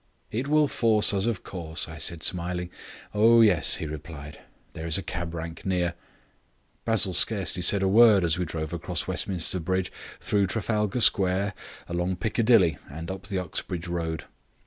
"It will force us of course," I said, smiling. "Oh, yes," he replied; "there is a cab rank near." Basil scarcely said a word as we drove across Westminster Bridge, through Trafalgar Square, along Piccadilly, and up the Uxbridge Road.